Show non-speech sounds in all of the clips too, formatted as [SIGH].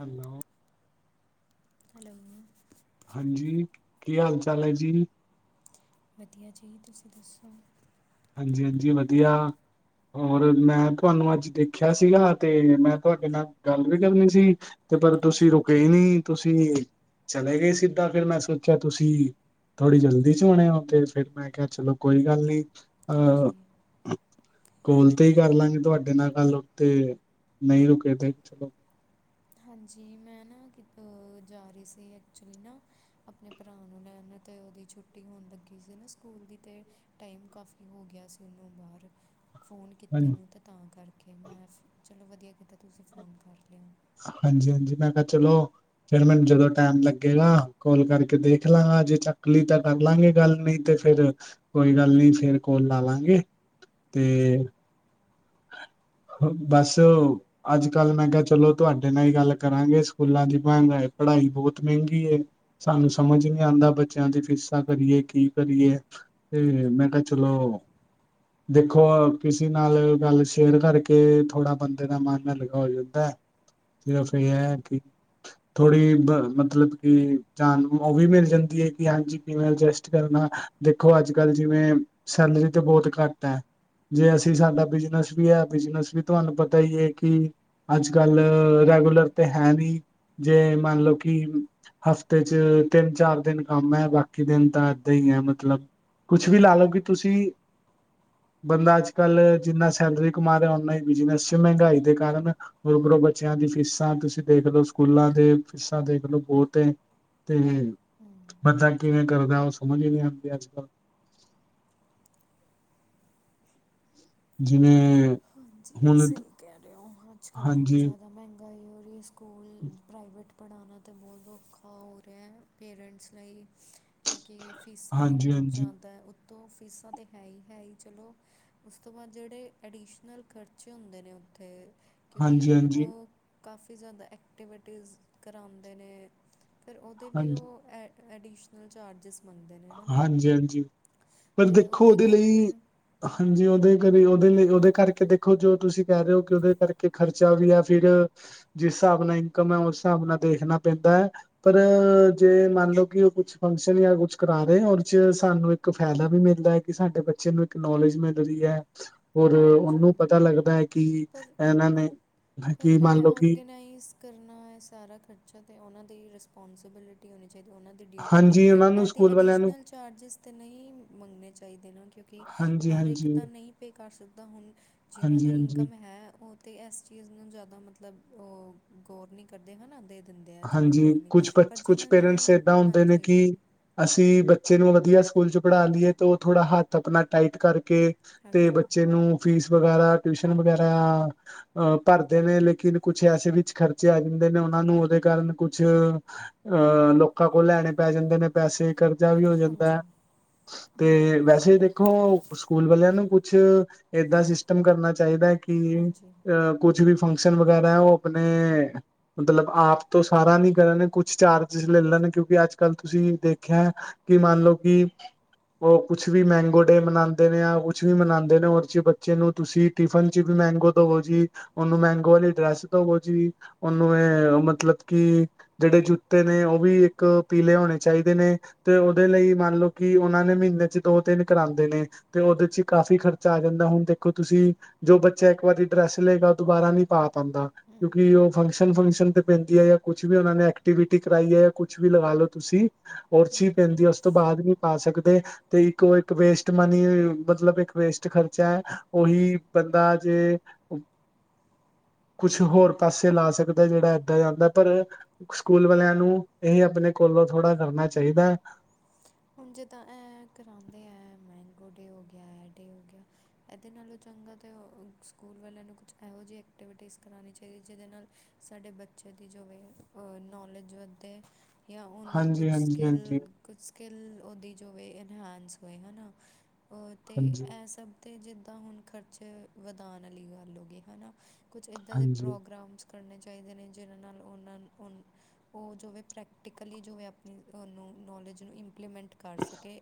Hello hello ਹਾਂਜੀ- ਕੀ ਹਾਲ ਚਾਲ ਐ ਜੀ। ਵਧੀਆ ਜੀ ਤੁਸੀਂ ਦੱਸੋ। ਹਾਂਜੀ- ਹਾਂਜੀ - ਵਧੀਆ। ਹੋਰ ਮੈਂ ਤੁਹਾਨੂੰ ਅੱਜ ਦੇਖਿਆ ਸੀਗਾ ਤੇ ਮੈਂ ਤੁਹਾਡੇ ਨਾਲ ਗੱਲ ਵੀ ਕਰਨੀ ਸੀ। ਤੇ ਪਰ ਤੁਸੀਂ ਹਾਂਜੀ ਰੁਕੇ ਹੀ ਨਹੀਂ ਤੁਸੀਂ ਚਲੇ ਗਏ ਸਿੱਧਾ ਫਿਰ ਮੈਂ ਸੋਚਿਆ ਤੁਸੀਂ ਥੋੜ੍ਹੀ ਜਲਦੀ ਚ ਹੋਣੇ ਆ ਤੇ ਫਿਰ ਮੈਂ ਕਿਹਾ ਚਲੋ ਕੋਈ ਗੱਲ ਨਹੀਂ ਅਹ ਹਾਂਜੀ ਕੋਲ ਤੇ ਹੀ ਕਰ ਲਾਂਗੇ ਤੁਹਾਡੇ ਨਾਲ ਗੱਲ ਉਥੇ ਨਹੀਂ ਰੁਕੇ ਤੇ ਚਲੋ ਹਾਂਜੀ। ਮੈਂ ਨਾ ਕਿਤੋਂ ਜਾ ਰਹੀ ਸੀ ਐਕਚੁਲੀ ਨਾ ਆਪਣੇ ਭਰਾ ਨੂੰ ਲੈਣ ਤੇ ਉਹਦੀ ਛੁੱਟੀ ਹੋਣ ਲੱਗੀ ਸੀ ਨਾ ਸਕੂਲ ਦੀ ਤੇ ਟਾਈਮ ਕਾਫੀ ਹੋ ਗਿਆ ਸੀ ਉਹਨੂੰ ਬਾਹਰ ਫੋਨ ਹਾਂਜੀ ਕੀਤੇ ਨੂੰ ਅਤੇ ਤਾਂ ਕਰਕੇ ਮੈਂ ਚਲੋ ਵਧੀਆ ਕੀਤਾ ਤੁਸੀਂ ਫੋਨ ਕਰ ਲਓ ਹਾਂਜੀ - ਹਾਂਜੀ ਮੈਂ ਕਿਹਾ ਚਲੋ। ਫਿਰ ਮੈਨੂੰ ਜਦੋਂ ਟਾਈਮ ਲੱਗੇਗਾ ਕੋਲ ਕਰਕੇ ਦੇਖ ਲਾਂਗਾ ਜੇ ਚੱਕਲੀ ਤਾਂ ਕਰ ਲਾਂਗੇ ਗੱਲ ਨਹੀਂ ਤੇ ਫੇਰ ਕੋਈ ਗੱਲ ਨੀ ਫੇਰ ਕੋਲ ਲਾਂਗੇ ਹਾਂਜੀ ਹੋ -ਬੱਸ ਓ ਅੱਜ ਕੱਲ ਮੈਂ ਕਿਆ ਚਲੋ ਤੁਆਡੇ ਨਾਲ ਈ ਗੱਲ ਕਰਾਂਗੇ ਸਕੂਲਾਂ ਦੀ ਮੈਗ ਪੜ੍ਹਾਈ ਬੋਤ ਮੈਂਗੀ ਏ। ਸਾਨੂੰ ਸਮਝ ਨੀ ਆਂਦਾ ਬੱਚਿਆਂ ਦੀ ਫੀਸਾਂ ਕਰੀਏ ਕੀ ਕਰੀਏ। ਤੇ ਹਾਂਜੀ ਮੈਂ ਕਿਆ ਚਲੋ, ਦੇਖੋ ਕਿਸੇ ਨਾਲ ਗੱਲ ਸ਼ੇਅਰ ਕਰਕੇ ਥੋੜਾ ਬੰਦੇ ਦਾ ਮਨ ਹਲਕਾ ਹੋ ਜਾਂਦਾ ਐ। ਸਿਰਫ਼ ਏ ਐ ਹਾਂਜੀ ਕਿ ਥੋੜ੍ਹੀ ਮਤਲਬ ਕੀ ਜਾਨ ਓ ਵੀ ਮਿਲ ਜਾਂਦੀ ਏ ਕਿ ਹਾਂਜੀ ਕਿਵੇਂ ਅਜਸਟ ਕਰਨਾ। ਦੇਖੋ ਅੱਜ ਕੱਲ ਜਿਵੇਂ ਸੈਲਰੀ ਤੇ ਬੋਤ ਘੱਟ ਐ। ਜੇ ਅਸੀਂ ਸਾਡਾ ਬਿਜ- ਵੀ ਐ ਬਿਜਨਸ ਵੀ ਤੁਆਨੂੰ ਪਤਾ ਈ ਐ ਕੀ- ਅੱਜ ਕੱਲ ਹੂੰ ਰੈਗੂਲਰ ਤੇ ਹੈ ਨੀ ਜੇ ਮੰਨ ਲਓ ਕੀ- ਹਫ਼ਤੇ 'ਚ ਤਿੰਨ ਚਾਰ ਦਿਨ ਕੰਮ ਐ। ਬਾਕੀ ਦਿਨ ਤਾਂ ਏਦਾਂ ਈ ਐ। ਮਤਲਬ ਕੁਛ ਹੂੰ ਵੀ ਲਾ ਲਓ ਕੀ ਤੁਸੀਂ ਬੰਦਾ ਅੱਜ ਕੱਲ ਜਿੰਨਾ- ਸੈਲਰੀ ਕਮਾ ਰਿਆ ਓਨਾ ਈ ਬਿਜਨਸ 'ਚ ਮੈਗਾਈ ਦੇ ਕਾਰਨ- ਹੋਰ ਓਧਰੋਂ ਬੱਚਿਆਂ ਦੀ ਫੀਸਾਂ ਤੁਸੀਂ ਦੇਖ ਲਓ ਸਕੂਲਾਂ ਦੇ ਫੀਸਾਂ ਦੇਖ ਲੋ ਬੋਤ ਏ। ਹੂੰ ਹੂੰ -ਬੰਦਾ ਕਿਵੇਂ ਕਰਦਾ ਓ ਸਮਝ ਈ ਨੀ ਆਂਦੀ ਅੱਜਕੱਲ। ਜਿਵੇੇ ਹਾਂਜੀ ਸਈ ਕਹਿ ਰੇ ਓ ਅੱਜ ਕੱਲ ਬੋਤ ਹਾਂਜੀ ਜ਼ਾਦਾ ਮੈਂਗਾਈ ਹੋ ਰੀ। ਸਕੂਲ ਪ੍ਰਾਈਵੇਟ- ਪੜ੍ਹਾਣਾ ਤੇ ਬੋਤ ਔਖਾ ਹੋ ਰਿਆ ਪੇਰੈਂਟਸ ਲਈ ਕਿਉਂਕਿ- ਫੀਸਾਂ ਈ ਹਾਂਜੀ ਬੋਤ ਹਾਂਜੀ ਜ਼ਾਦਾ- ਤੋਂ ਫੀਸਾਂ ਤਾਂ ਹੈ ਹੀ ਹੈ ਹੀ ਚਲੋ। ਉਸ ਤੋਂ ਬਾਦ ਜੇੜੇ ਐਡੀਸ਼ਨ ਨਾਲ ਖਰਚੇ ਹੁੰਦੇ ਨੇ ਓਥੇ, ਹਾਂਜੀ ਕਿਉਂਕਿ ਹਾਂਜੀ ਓ ਕਾਫੀ ਜ਼ਿਆਦਾ ਐਕਟੀਵਿਟੀਜ਼ ਕਰਾਂਦੇ ਨੇ, ਫੇਰ ਓਦੇ ਵੀ ਓ ਹਾਂਜੀ ਐ ਐਡੀਸ਼ਨਲ ਚਾਰਜਿਸ ਮੰਗਦੇ ਨੇ ਹਨਾ, ਹਾਂਜੀ ਹਾਂਜੀ ਪਰ ਤੇ ਦੇਖੋ ਓਦੇ ਕਰਕੇ ਅਮ ਓਦੇ ਲਈ ਓਦੇ ਕਰਕੇ ਦੇਖੋ, ਜੋ ਤੁਸੀਂ ਕੈ ਰੇ ਓ ਕਿ ਓਦੇ ਕਰਕੇ ਖ਼ਰਚਾ ਵੀ ਐ ਫਿਰ ਜਿਸ ਹਿਸਾਬ ਨਾਲ ਇਨਕਮ ਹੈ, ਉਸ ਹਿਸਾਬ ਨਾਲ ਦੇਖਣਾ ਪੈਂਦਾ ਹੈ। ਪਰ ਜੇ ਮੰਨ ਲਓ, ਕਿ ਉਹ ਕੁਛ ਫੰਕਸ਼ਨ ਜਾਂ ਕੁਛ ਕਰਾ ਰਹੇ ਚ ਸਾਨੂੰ ਇਕ ਫਾਇਦਾ ਵੀ ਮਿਲਦਾ ਹੈ, ਕਿ ਸਾਡੇ ਬੱਚੇ ਨੂੰ ਇਕ ਨੌਲੇਜ ਮਿਲਦੀ ਹੈ। ਹੋਰ ਉਹਨੂੰ ਹਾਂਜੀ ਪਤਾ ਲੱਗਦਾ ਹੈ, ਕਿ ਪਰ ਇਹਨਾਂ ਨੇ- ਪਰ ਕਿ ਮੰਨ ਇਹ ਲਓ ਕਿ ਔਰਗਨਾਈਜ਼ ਕਰਨਾ ਹੈ, ਸਾਰਾ ਖਰਚਾ ਅਤੇ ਉਹਨਾ ਦੀ ਰਿਸਪੋਸੀਬਿਲਿਟੀ ਹੋਣੀ ਚਾਹੀਦੀ ਉਹਨਾ ਡਿਊਟੀ ਹੈ, ਹਾਂਜੀ ਉਹਨਾਂ ਨੂੰ ਇਹਦੇ ਸਕੂਲ ਵਾਲਿਆਂ ਨੂੰ ਐਡੀਸ਼ਨਲ ਚਾਰਜਿਸ ਤਾਂ ਨਹੀ ਮੰਗਣੇ ਚਾਹੀਦੇ ਨੇ ਕਿਉਕਿ ਹਾਂਜੀ ਹਰ ਇਕ ਹਾਂਜੀ ਤਾਂ ਨਹੀ ਪੇ ਕਰ ਸਕਦਾ, ਹੁਣ ਜਿਹਨਾ ਹਾਂਜੀ ਦੇ ਹਾਂਜੀ ਇਨਕਮ ਹੈ, ਉਹ ਤਾਂ ਐ ਚੀਜ਼ ਨੂੰ ਜ਼ਿਆਦਾ ਮਤਲਬ ਉਹ ਗੌਰ ਨੀ ਕਰਦੇ ਹਨਾ ਦੇ ਦਿੰਦੇ ਆ ਚਲੋ ਹਾਂਜੀ ਕੋਈ ਨਹੀ ਕੁਛ ਪਰ ਬੱਚ ਕੁਛ ਜਿਨਾ ਨੂੰ ਹਾਂਜੀ ਅਸੀ ਬੱਚੇ ਨੂੰ ਵਧੀਆ ਸਕੂਲ ਚ ਪੜ੍ਹਾ ਲਈਏ, ਤੇ ਉਹ ਥੋੜ੍ਹਾ ਹੱਥ ਆਪਣਾ ਟਾਈਟ ਕਰਕੇ ਤੇ ਹਾਂਜੀ ਬੱਚੇ ਨੂੰ ਫੀਸ ਵਗੈਰਾ ਟਿਊਸ਼ਨ ਵਗੈਰਾ ਅ ਭਰਦੇ ਨੇ ਲੇਕਿਨ ਕੁਛ ਐਸੇ ਵਿੱਚ ਖਰਚੇ ਆ ਜਾਂਦੇ ਨੇ ਓਨਾਂ ਨੂੰ ਓਦੇ ਕਾਰਨ ਕੁਛ ਅਹ ਲੋਕਾਂ ਕੋ ਲੈਣੇ ਪੈ ਜਾਂਦੇ ਨੇ। ਪੈਸੇ ਕਰਜ਼ਾ ਵੀ ਹੋ ਹਾਂਜੀ ਜਾਂਦਾ, ਐ ਹੂੰ ਤੇ ਵੈਸੇ ਦੇਖ ਥੋ ਸਕੂਲ ਵਲਿਆਂ ਨੂੰ ਕੁਛ ਏਦਾਂ ਸਿਸਟਮ ਕਰਨਾ ਚਾਈਦਾ ਕੀ ਹਾਂਜੀ ਅਹ ਕੁਛ ਵੀ ਫੰਕਸ਼ਨ ਵਗੈਰਾ ਏ, ਓ ਆਪਣੇ ਮਤਲਬ ਆਪ ਤੋਂ ਸਾਰਾ ਨੀ ਕਰਨ ਕੁਛ ਚਾਰਜਿਜ ਲੈ ਲੈਣ ਕਿਉਂਕਿ ਅੱਜ-ਕੱਲ ਤੁਸੀਂ ਦੇਖਿਆ। ਕੀ ਮਨ ਲਓ ਕੀ ਓ ਕੁਛ ਵੀ ਮੈਂਗੋ ਡੇ ਮਨਾਂਦੇ ਨੇ ਆ ਕੁਛ ਵੀ ਮਨਾਂਦੇ ਨੇ ਔਰ'ਚ ਬੱਚੇ ਨੂੰ ਤੁਸੀਂ ਟਿਫਨ ਚ ਵੀ ਮੈਂਗੋ ਦਵੋ ਜੀ, ਓਨੂੰ ਮੈਂਗੋ ਵਾਲੀ ਡਰੈਸ ਦਵੋ ਜੀ। ਓਨੂੰ ਏ ਮਤਲਬ ਕੀ ਜੇੜੇ ਜੁੱਤੇ ਨੇ ਓ ਵੀ ਇੱਕ ਪੀਲੇ ਹੋਣੇ ਚਾਈਦੇ ਨੇ। ਤੇ ਓਦੇ ਲਈ ਮੰਨ ਲਓ, ਕਿ ਓਨਾਂ ਨੇ ਮੀਨੇ ਚ ਦੋ ਤਿੰਨ ਕਰਾਂਦੇ ਨੇ। ਤੇ ਉਹਦੇ ਚ ਕਾਫ਼ੀ ਖਰਚਾ ਆ ਜਾਂਦਾ ਹੁਣ ਦੇਖੋ, ਤੁਸੀ ਜੋ ਬੱਚਾ ਇਕ ਵਾਰੀ ਡਰੈਸ ਲਏਗਾ ਦੁਬਾਰਾ ਨੀ ਪਾਦਾ ਹੂੰ ਕਿਉਕਿ ਉਹ ਫੰਕਸ਼ਨ-ਫੰਕਸ਼ਨ ਤੇ ਪੈਦੀ ਹੈ, ਜਾ ਕੁਛ ਵੀ ਉਹਨਾਂ ਨੇ ਐਕਟੀਵਿਟੀ ਕਰਵਾਈ ਹੈ, ਜਾ ਕੁਛ ਵੀ ਲਗਾ ਲੋੋ ਤੁਸੀ ਓ ਚ ਵੀ ਹੂੰ ਪੈਂਦੀ ਹੈ, ਉਸ ਤੋਂ ਬਾਅਦ ਵਿਚ ਪਾ ਸਕਦੇ, ਤੇ ਇਕ ਉਹ ਇਕ ਵੇਸਟ ਮਨੀ ਮਤਲਬ ਇਕ ਵੇਸਟ ਖਰਚਾ ਹੈ, ਉਹੀ ਬੰਦਾ ਜੇ ਕੁਛ ਹੋਰ ਪੈਸੇ ਲਾ ਸਕਦਾ, ਜਿਹੜਾ ਏਦਾ ਜਾਦਾ। ਪਰ ਸਕੂਲ ਵਾਲਿਆਂ ਨੂੰ ਇਹ ਆਪਣੇ ਕੋਲੋ ਥੋੜ੍ਹਾ ਕਰਨਾ ਚਾਹੀਦਾ। ਹੁਣ ਜਿੱਦਾਂ ਇਹ ਕਰਾਉਦੇ ਹੈ, ਮੈਗੋ ਡੇ ਹੋ ਗਿਆ ਇਹ ਡੇ ਹੋ ਗਿਆ ਇਹਦੇ ਨਾਲੋ ਚੰਗਾ ਅਤੇ ਸਕੂਲ ਵਾਲਿਆਂ ਨੂੰ ਕੁਛ ਇਹੋ ਜਿਹੀ ਐਕਟੀਵਿਟੀਜ਼ ਕਰਾਉਣੀ ਚਾਹੀਦੀ ਜਿਹਦੇ ਨਾਲ ਸਾਡੇ ਬੱਚੇ ਦੀ ਜੋ ਵੀ ਨੌਲੇਜ ਵੱਧੇ ਜਾਂ ਉਹਨੂੰ ਕੁਛ ਹਾਂਜੀ ਹਾਂਜੀ ਹਾਂਜੀ ਸਕਿੱਲ ਕੁਛ ਸਕਿੱਲ ਉਹਦੀ ਜੋਵੇ ਇਨਹਾਂਸ ਹੋਏ ਹੈ, ਨਾ ਅਤੇ ਹਾਂਜੀ ਇਹ ਸਭ ਅਤੇ ਜਿਦਾਂ ਹੁਣ ਖਰਚੇ ਵਧਾਉਣ ਵਾਲੀ ਗੱਲ ਹੋ ਗਈ ਹੈਨਾ, ਕੁਛ ਇਦਾ ਦੇ ਹਾਂਜੀ ਪ੍ਰੋਗਰਾਮਸ ਕਰਨੇ ਚਾਹੀਦੇ ਨੇ, ਜਿਨਾ ਨਾਲ ਉਹਨਾ ਉ ਉਹ ਜੋਵੇ ਪ੍ਰੈਕਟੀਕਲੀ ਜਿਵੇ ਆਪਣੀ ਨੂੰ ਨੌਲੇਜ ਨੂੰ ਇੰਪਲੀਮੈਟ ਕਰ ਸਕੇ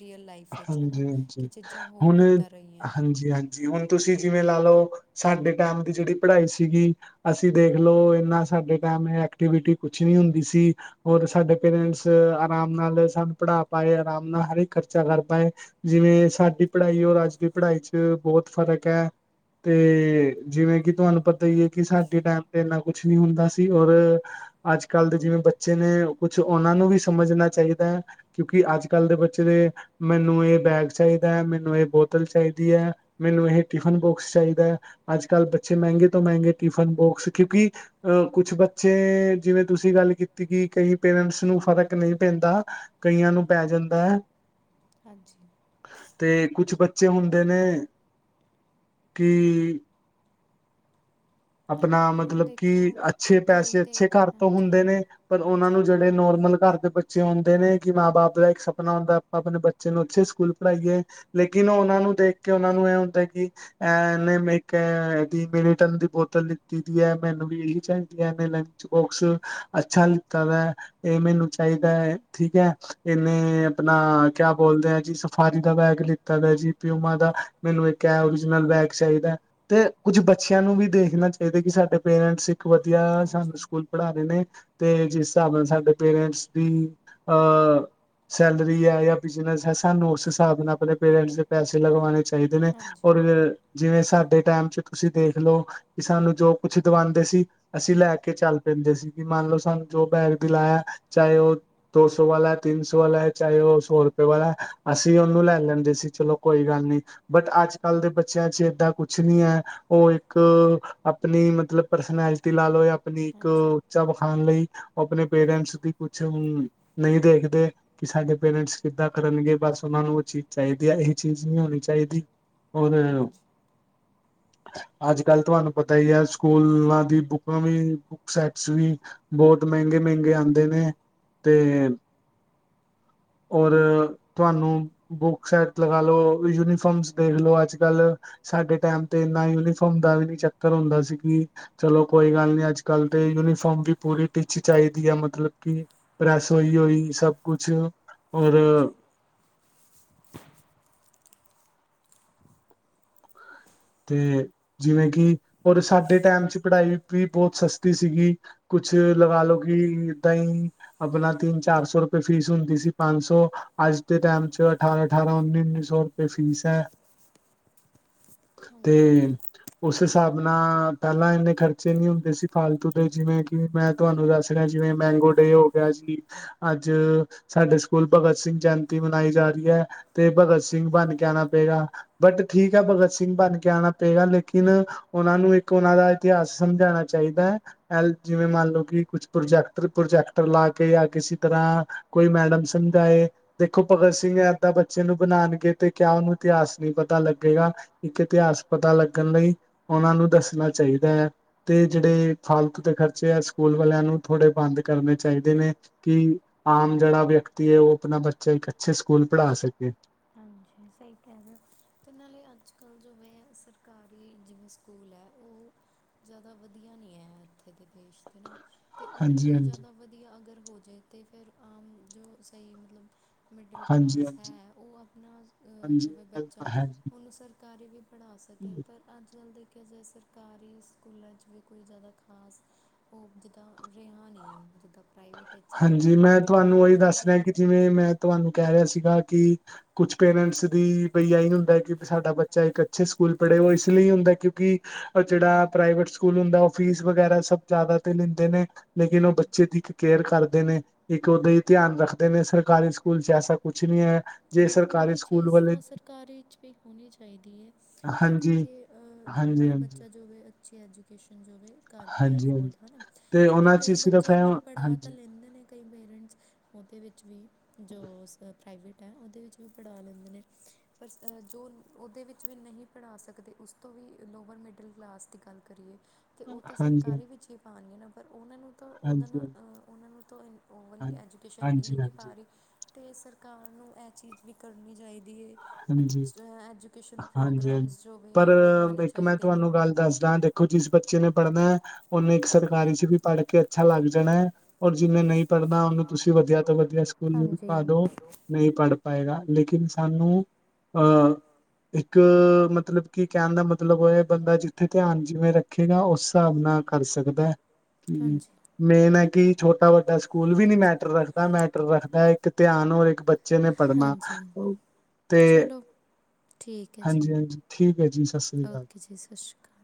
ਰੀਅਲ ਲਾਈਫ ਵਿੱਚ ਹੈ ਨਾ ਕਿ ਹਾਂਜੀ-ਹਾਂਜੀ ਚੀਜ਼ਾਂ ਹੋ ਹੁਣ ਕਿੱਦਾਂ ਰਹੀਆਂ ਹਾਂਜੀ-ਹਾਂਜੀ, ਹੁਣ ਤੁਸੀ ਜਿਵੇ ਹੂੰ ਲਾ ਲਓ। ਸਾਡੇ ਟਾਈਮ ਦੀ ਜਿਹੜੀ ਪੜ੍ਹਾਈ ਸੀਗੀ। ਅਸੀ ਦੇਖ ਲਓ, ਇਨਾ ਸਾਡੇ ਟਾਈਮ ਐਕਟੀਵਿਟੀ ਕੁਛ ਨਹੀ ਹੁੰਦੀ ਸੀ। ਹੋਰ ਸਾਡੇ ਪੇਰੈਟਸ ਆਰਾਮ ਨਾਲ ਸਾਨੂੰ ਪੜ੍ਹਾ ਪਾਏ ਆਰਾਮ ਨਾਲ ਹਰ ਇਕ ਕਰ ਚਾ ਕਰ ਪਾਏ, ਜਿਵੇ ਸਾਡੀ ਪੜ੍ਹਾਈ ਔਰ ਅੱਜ ਦੀ ਪੜ੍ਹਾਈ 'ਚ ਬਹੁਤ ਫਰਕ ਹੈ। ਤੇ ਜਿਵੇ ਕਿ ਤੁਹਾਨੂੰ ਪਤਾ ਹੀ ਹੈ, ਕਿ ਸਾਡੇ ਟਾਈਮ ਤੇ ਇਨਾ ਕੁਛ ਨੀ ਹੁੰਦਾ ਸੀ ਔਰ ਅਜ, ਕਲ ਦੇ ਜਿਵੇ ਬੱਚੇ ਨੇ ਕੁਛ ਉਹਨਾ ਨੂੰ ਵੀ ਸਮਝਣਾ ਚਾਹੀਦਾ ਹੈ। ਕਿਉਕਿ ਅਜ ਕਲ ਦੇ ਬੱਚੇ ਦੇ ਮੈਨੂੰ ਇਹ ਬੈਗ ਚਾਹੀਦਾ ਹੈ, ਮੈਨੂੰ ਇਹ ਬੋਤਲ ਚਾਹੀਦੀ ਹੈ। ਮੈਨੂੰ ਇਹ ਟਿਫਨ ਬੋਕਸ ਚਾਹੀਦਾ ਹੈ ਅੱਜ ਕਲ ਬੱਚੇ, ਮਹਿੰਗੇ ਤੋਂ ਮਹਿੰਗੇ ਟਿਫਨ ਬੋਕਸ ਕਿਉਕਿ ਅਹ ਕੁਛ, ਬੱਚੇ ਜਿਵੇ ਤੁਸੀ ਗੱਲ ਕੀਤੀ ਕਿ ਕਈ ਪੇਰੈਟਸ ਨੂੰ ਫ਼ਰਕ ਨਹੀ ਪੈੱਦਾ ਕਈਆਂ ਨੂੰ ਪੈ ਜਾਦਾ ਹੈ। ਹਾਂਜੀ। ਤੇ ਕੁਛ ਬੱਚੇ ਹੁੰਦੇ ਨੇ, ਕੀ ਆਪਣਾ ਹੁਣ ਮਤਲਬ ਕਿ ਦੇਖੋ ਅੱਛੇ ਇੱਕ ਗੱਲ ਪੈਸੇ, ਤੇ ਅੱਛੇ ਘਰ ਤੋਂ ਹਾਂਜੀ ਹੁੰਦੇ ਨੇ ਪਰ ਉਹਨਾਂ ਹਾਂਜੀ ਨੂੰ ਜਿਹ ਜਿਹੜੇ ਨੋਰਮਲ ਘਰ ਦੇ ਬੱਚੇ ਆਉਦੇ ਨੇ ਕਿ ਮਾਂ ਬਾਪ ਦਾ ਇੱਕ ਸਪਨਾ ਹੁੰਦਾ ਆਪਾਂ ਆਪਣੇ ਬੱਚੇ ਨੂੰ ਅਛੇ ਸਕੂਲ ਪੜ੍ਹਾਈਏ। ਲੇਕਿਨ, ਉਹਨਾਂ ਨੂੰ ਦੇਖ ਕੇ ਉਹਨਾਂ ਨੂੰ ਇਹ ਹੁੰਦਾ ਕਿ ਐਨਮਿਕ ਏ ਦਿ ਮਿਲਟਨ ਦੀ ਬੋਤ ਬੋਤਲ ਲਿੱਤੀ ਦੀ ਹੈ, ਮੈਨੂੰ ਵੀ ਇਹੀ ਚਾਹੀਦੀ ਹੈ। ਮੈਂ ਲੰਚ ਬੋਕਸ ਅੱਛਾ ਲਿੱਤਾ ਦਾ ਹੇ ਇਹ ਮੈਨੂੰ ਚਾਹੀਦਾ ਹੈ, ਠੀਕ ਹੈ। ਇਹਨੇ ਆਪਣਾ ਕਿਆ ਬੋਲਦੇ ਆ ਜੀ, ਸਫਾਰੀ ਦਾ ਬੈਗ ਲਿੱਤਾ ਦਾ ਜੀ ਪਿਉਮਾ ਦਾ ਮੈਨੂੰ ਇੱਕ ਏ ਓਰੀਜਨਲ ਬੈਗ ਚਾਹੀਦਾ ਤੇ ਕੁੱਝ ਬੱਚਿਆਂ ਨੂੰ ਵੀ ਦੇਖ ਨਾ ਚਾਹੀਦਾ ਕਿ ਸਾਡੇ ਪੇਰੈਟਸ ਇਕ ਵਧੀਆ ਸਾਨੂੰ ਹਾਂਜੀ ਸਕੂਲ ਪੜ੍ਹਾਦੇ ਨੇ ਤੇ ਜਿਸ ਹਿਸਾਬ ਨਾਲ ਸਾਡੇ ਪੇਰੈਟਸ ਦੀ ਅਹ ਸੈਲਰੀ ਹੈ ਜਾਂ ਬਿਜਨਸ ਹੈ। ਸਾਨੂੰ ਉਸ ਹਿਸਾਬ ਨਾਲ ਆਪਣੇ ਪੇਰੈਟਸ ਦੇ ਪੈਸੇ ਲਗਵਾਣੇ ਚਾਹੀਦੇ ਨੇ ਹਾਂਜੀ ਹਾਂਜੀ ਔਰ ਜਿਵੇ ਸਾਡੇ ਟਾਈਮ 'ਚ ਤੁਸੀ ਦੇਖ ਲਓ ਕਿ ਸਾਨੂੰ ਜੋ ਕੁਛ ਦਵਾਉਦੇ ਸੀ। ਅਸੀ ਲੈ ਕੇ ਚੱਲ ਪੈਦੇ ਸੀਗੇ ਮੰਨ ਲਓ, ਸਾਨੂੰ ਜੋ ਬੈਗ ਦਿਲਾਇਆ ਚਾਹੇ ਉਹ- ਦੋ ਸੌ ਵਾਲਾ, ਤਿੰਨ ਸੌ ਵਾਲਾ ਹੈ। ਚਾਹੇ ਉਹ ਸੌ ਰੁਪਏ ਵਾਲਾ, ਅਸੀ ਉਹਨੂੰ ਲੈ ਲੈਦੇ ਸੀ ਚਲੋ ਕੋਈ ਗੱਲ ਨਹੀ। ਬਟ, ਅਜ ਕਲ ਦੇ ਬੱਚਿਆਂ ਚ ਏਦਾਂ ਕੁਛ ਨੀ ਹੈ। ਉਹ ਇਕ ਆਪਣੀ ਮਤਲਬ ਪਰਸਨੈਲਿਟੀ ਲਾ ਲਓ ਯਾ ਆਪਣੀ ਇਕ ਹਾਂਜੀ ਉਚਾ ਵਿਖਾਣ ਲਈ ਆਪਣੇ ਪੇਰੈਟਸ ਦੀ ਕੁਛ ਹੂੰ ਨਹੀ ਦੇਖਦੇ। ਕਿ ਸਾਡੇ ਪੇਰੈਟਸ ਕਿੱਦਾਂ ਕਰਨਗੇ ਬਸ, ਉਹਨਾ ਨੂੰ ਉਹ ਚੀਜ ਚਾਹੀਦੀ ਹੈ। ਇਹ ਚੀਜ ਨਹੀ ਹੋਣੀ ਚਾਹੀਦੀ। How are you. ਹਾਂਜੀ [UNINTELLIGIBLE] [UNINTELLIGIBLE] ਅੱਜ ਕੱਲ੍ਹ ਤੁਹਾਨੂੰ ਪਤਾ ਹੀ ਹੈ ਸਕੂਲਾਂ ਦੀ ਬੁੱਕਾਂ ਵੀ, ਬੁੱਕ ਸੈਟਸ ਵੀ ਬਹੁਤ ਮਹਿੰਗੇ, ਮਹਿੰਗੇ ਆਉਂਦੇ ਨੇ। ਤੇ ਔਰ। ਤੁਹਾਨੂੰ ਬੁੱਕ ਸੈਟ ਲਗਾ ਲੋ, ਯੂਨੀਫਾਰਮਸ ਦੇਖਲੋ ਅੱਜ ਕੱਲ। ਸਾਡੇ ਟਾਈਮ ਤੇ ਇੰਨਾ ਯੂਨੀਫਾਰਮ ਦਾ ਵੀ ਨੀ ਚੱਕਰ ਹੁੰਦਾ ਸੀ ਕਿ ਚਲੋ ਕੋਈ ਗੱਲ ਨਹੀਂ, ਅੱਜ ਕੱਲ ਤੇ ਯੂਨੀਫਾਰਮ ਵੀ ਪੂਰੀ ਟਿਚ ਚਾਹੀਦੀ ਹੈ ਮਤਲਬ ਕਿ ਪ੍ਰੈਸ, ਹੋਇ ਹੁਇ। ਸਭ ਕੁਛ ਔਰ ਜੀ-ਜੀ [UNINTELLIGIBLE] ਤੇ ਜਿਵੇਂ ਕਿ, ਪਰ ਸਾਡੇ ਟਾਈਮ ਚ ਪੜ੍ਹਾਈ ਵੀ ਬਹੁਤ ਸਸਤੀ ਸੀਗੀ। ਕੁਛ ਲਗਾ ਲੋ ਕਿ ਇਦਾਂ ਹੀ ਆਪਣਾ ਤਿੰਨ, ਚਾਰ ਸੌ ਰੁਪਏ ਫੀਸ ਹੁੰਦੀ ਸੀ ਪੰਜ ਸੌ। ਅੱਜ ਦੇ ਟਾਈਮ ਚ ਅਠਾਰਾਂ-ਅਠਾਰਾਂ, ਉੱਨੀ-ਉੱਨੀ ਸੌ ਤੇ ਫੀਸ ਹੈ। ਹਾਂਜੀ ਤੇ ਉਸ ਹਿਸਾਬ ਨਾਲ ਪਹਿਲਾਂ ਇੰਨੇ ਖਰਚੇ ਨਹੀਂ ਹੁੰਦੇ ਸੀ ਫਾਲਤੂ ਦੇ ਜਿਵੇਂ ਕਿ ਮੈਂ ਤੁਹਾਨੂੰ ਦੱਸ ਰਿਹਾ, ਜਿਵੇਂ ਮੈਂਗੋ ਡੇ ਹੋ ਗਿਆ ਜੀ ਅੱਜ, ਸਾਡੇ ਸਕੂਲ ਭਗਤ ਸਿੰਘ ਜੈਯੰਤੀ ਮਨਾਈ ਜਾ ਰਹੀ ਹੈ ਤੇ ਭਗਤ ਸਿੰਘ ਬਣ ਕੇ ਆਉਣਾ ਪਏਗਾ। ਬਟ, ਠੀਕ ਹੈ ਭਗਤ ਸਿੰਘ ਸਿੰਘ ਬਣ ਕੇ ਆਉਣਾ ਪਏਗਾ। ਲੇਕਿਨ, ਉਹਨਾਂ ਨੂੰ ਇੱਕ ਉਹਨਾਂ ਦਾ ਇਤਿਹਾਸ ਸਮਝਾਉਣਾ ਚਾਹੀਦਾ ਹੈ। ਜਿਵੇਂ ਮੰਨ ਲਓ ਕਿ ਕੁਛ ਪ੍ਰੋਜੈਕਟਰ, ਪ੍ਰੋਜੈਕਟਰ ਲਾ ਕੇ ਜਾਂ ਕਿਸੇ ਤਰ੍ਹਾਂ ਕੋਈ ਮੈਡਮ ਸਮਝਾਏ। ਦੇਖੋ ਭਗਤ ਸਿੰਘ ਏਦਾਂ ਬੱਚੇ ਨੂੰ ਬਣਾਉਣਗੇ ਤੇ ਕਿਆ ਉਹਨੂੰ ਇਤਿਹਾਸ ਨਹੀਂ ਪਤਾ ਲੱਗੇਗਾ? ਇੱਕ ਇਤਿਹਾਸ ਪਤਾ ਲੱਗਣ ਲਈ ਉਹਨਾਂ ਨੂੰ ਦੱਸਣਾ ਚਾਹੀਦਾ ਹੈ। ਤੇ ਜਿਹੜੇ ਫਾਲਤੂ ਦੇ ਖਰਚੇ ਆ ਸਕੂਲ ਵਾਲਿਆਂ ਨੂੰ ਥੋੜੇ ਬੰਦ ਕਰਨੇ ਚਾਹੀਦੇ ਨੇ ਕਿ ਆਮ ਜਿਹੜਾ ਵਿਅਕਤੀ ਹੈ, ਉਹ ਆਪਣਾ ਬੱਚਾ ਇੱਕ ਅੱਛੇ ਸਕੂਲ ਪੜ੍ਹਾ ਸਕੇ ਹਾਂਜੀ ਸਹੀ ਕਹਿ ਰਹੇ ਹੋ। ਤੇ ਨਾਲੇ ਅੱਜ ਕੱਲ੍ਹ ਜਿਵੇਂ ਸਰਕਾਰੀ ਜਿਵੇਂ ਸਕੂਲ ਹੈ ਉਹ ਜ਼ਿਆਦਾ ਵਧੀਆ ਨਹੀਂ ਹੈ ਇੱਥੇ ਦੇ ਦੇਸ਼ ਦੇ ਨਾ ਤੇ ਉਹ ਹਾਂਜੀ ਵੀ ਹਾਂਜੀ ਜ਼ਿਆਦਾ ਵਧੀਆ ਅਗਰ ਹੋ ਜਾਏ ਤੇ ਫਿਰ ਆਮ ਜੋ ਸਹੀ ਮਤਲਬ ਮਿਡਲ ਹਾਂਜੀ ਕਲਾਸ ਹਾਂਜੀ ਹੈ ਉਹ ਆਪਣਾ ਹਾਂਜੀ ਜੋ ਹੈ ਇਹ ਗੱਲ ਬੱਚਾ ਤਾਂ ਹੈ ਜੀ ਉਹਨੂੰ ਸਰਕਾਰੀ ਵੀ ਪੜ੍ਹਾ ਸਕੇ ਪਰ ਪਰ ਅੱਜ ਕੱਲ੍ਹ ਦੇਖਿਆ ਜਾਵੇ ਸਰਕਾਰੀ ਸਕੂਲਾਂ 'ਚ ਵੀ ਕੋਈ ਜ਼ਿਆਦਾ ਖਾਸ ਉਹ ਜਿੱਦਾਂ ਰਿਹਾ ਨਹੀਂ ਜਿੱਦਾਂ ਪ੍ਰਾਈਵੇਟ ਵਿੱਚ ਹਾਂਜੀ ਪੜ੍ਹਾਈ ਮੈਂ ਹੁੰਦੀ ਹੈ ਤੁਹਾਨੂੰ ਉਹੀ ਉੱਦਾਂ ਦੱਸ ਉਹਦੀ ਰਿਹਾ ਕਿ ਜਿਵੇਂ ਮੈਂ ਤੁਹਾਨੂੰ ਕਹਿ ਰਿਹਾ ਸੀਗਾ ਕਿ ਕੁਛ ਪੇਰੈਂਟਸ ਦੀ ਬਈ ਆਹੀ ਹੁੰਦਾ ਕਿ ਸਾਡਾ ਬੱਚਾ ਇੱਕ ਅੱਛੇ ਸਕੂਲ ਪੜ੍ਹੇ ਉਹ ਇਸ ਲਈ ਹੁੰਦਾ ਕਿਉਂਕਿ ਜਿਹੜਾ ਪ੍ਰਾਈਵੇਟ ਸਕੂਲ ਹੁੰਦਾ ਉਹ ਫੀਸ ਵਗੈਰਾ ਸਭ ਜ਼ਿਆਦਾ ਤੇ ਲੈਂਦੇ ਨੇ ਲੇਿ ਉਹ ਹੂੰ ਬੱਚੇ ਦੀ ਕੇਅਰ ਕਰਦੇ ਨੇ ਇੱਕ ਉਹਦਾਾਂ ਹੀ ਧਿਆਨ ਰੱਖਦੇ ਨੇ ਸਰਕਾਰੀ ਸਕੂਲ ਚ ਐਸਾ ਕੁਛ ਨਹੀਂ ਹੈ। ਜੇ ਹਾਂ ਸਰਕਾਰੀ ਉਹੀ ਸਕੂਲ ਚੀਜ਼ ਵਾਲੇ ਤਾਂ ਸਰਕਾਰ ' ਵੀ ਹੋਣੀ ਚਾਹੀਦੀ ਹੈ। ਤਾਂ ਕਿ ਹਾਂਜੀ ਹਾਂਜੀ ਹਰ ਹਾਂਜੀ ਬੱਚਾ ਜੋਵੇ ਅੱਛੀ ਐਜੂਕੇਸ਼ਨ ਜੋਵੇ। ਕਰ ਪਾਏ ਹਾਂਜੀ ਹਾਂਜੀ ਅਫੋਰਡ ਹਨਾ। ਤੇ ਕਿਉਂਕਿ ਉਹਨਾਂ ਚ ਕਈ ਸਿਰਫ ਬੱਚੇ ਹੈ ਹੁਣ ਪੜ੍ਹਾ ਤਾਂ ਹਾਂਜੀ ਲੈਂਦੇ ਨੇ ਕਈ ਪੇਰੈਂਟਸ ਉਹਦੇ ਵਿੱਚ ਵੀ ਜੋ ਸ ਪ੍ਰਾਈਵੇਟ ਨਹੀ ਉਹਦੇ ਵਿੱਚ ਵੀ ਪੜਾ ਲੈਂਦੇ ਨੇ ਪਰ ਇਸ ਤਰ੍ਹ, ਜੋ ਉਹਦੇ ਵਿੱਚ ਵੀ ਨਹੀਂ ਪੜ੍ਹਾ ਸਕਦੇ ਉਸ ਤੋਂ ਵੀ ਲੋਵਰ ਮਿਡਲ ਕਲਾਸ ਦੀ ਗੱਲ ਕਰੀਏ ਤੇ ਉਹ ਤੇ ਹਾਂਜੀ ਹਾਂਜੀ ਸਰਕਾਰੀ ਵਿੱਚ ਹੀ ਪਾਨਗੇ ਨਾ। ਪਰ ਉਹਨਾਂ ਨੂੰ ਤਾਂ ਉਹਦੇ ਹਾਂਜੀ ਨਾਲ ਉਹਨਾਂ ਨੂੰ ਤਾਂ ਓਵਰਲੀ ਐਜੂਕੇਸ਼ਨ ਮਿਲ ਹੀ ਹਾਂਜੀ ਨਹੀਂ ਪਾ ਹਾਂਜੀ ਰਹੀ ਅਤੇ ਸਰਕਾਰ ਨੂੰ ਇਹ ਚੀਜ਼ ਵੀ ਕਰਨੀ ਚਾਹੀਦੀ ਹੈ ਹਾਂਜੀ ਅਛ ਐਜੂਕੇਸ਼ਨ ਹਾਂਜੀ ਹਾਂਜੀ ਪ੍ਰੋਗਰਾਮਸ ਜੋ ਵੀ ਹੈ। ਲਗਾਉਣੇ ਚਾਹੀਦੇ ਨੇ ਦੱਸਦਾਂ ਦੇਖੋ ਜਿਸ ਬੱਚੇ ਨੇ ਪੜ੍ਹਨਾ ਉਹਨੇ ਇੱਕ ਸਰਕਾਰੀ ਚ ਵੀ ਪੜ੍ਹ ਕੇ ਅੱਛਾ ਲੱਗ ਜਾਣਾ ਹੈ। ਔਰ ਜਿੰਨੇ ਨਹੀਂ ਪੜ੍ਹਨਾ ਉਹਨੂੰ ਤੁਸੀਂ ਵਧੀਆ ਤੋਂ ਵਧੀਆ ਸਕੂਲ ਹਾਂਜੀ ਪਾਦੋ ਨਹੀਂ ਪੜ੍ਹ ਪਏਗਾ ਲੇਕਿਨ ਸਾਨੂੰ ਅਹ ਇੱਕ ਮਤਲਬ ਕਿ ਕਹਿਣ ਦਾ ਮਤਲਬ ਉਹ ਹੈ ਬੰਦਾ ਜਿੱਥੇ ਧਿਆਨ ਜਿਵੇਂ ਰੱਖ ਰਖੇਗਾ ਉਸ ਹਿਸਾਬ ਨਾਲ ਕਰ ਸਕਦਾ ਹੈ। ਕਿ ਹਾਂਜੀ ਮੇਨ ਹੈ ਕਿ ਛੋਟਾ ਵੱਡਾ ਸਕੂਲ ਵੀ ਨੀ ਮੈਟਰ ਰੱਖਦਾ ਮੈਟਰ ਰੱਖਦਾ ਇੱਕ ਧਿਆਨ ਰ ਇੱਕ ਬ ਬੱਚੇ ਨੇ ਪੜ੍ਹਨਾ। ਹਾਂਜੀ ਤੇ ਚਲੋ ਠੀਕ ਹੈ। ਜੀ ਹਾਂਜੀ ਹਾਂਜੀ ਠੀਕ ਹੈ ਜੀ ਸਤਿ ਸ੍ਰੀ ਅਕਾਲ ਓਕੇ ਜੀ ਸਤਿ ਸ਼੍ਰੀ ਅਕਾਲ।